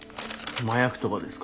麻薬とかですか？